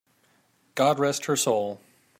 God rest her soul!